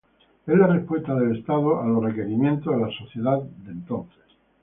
Es la respuesta del Estado a los requerimientos de la Sociedad de Entonces.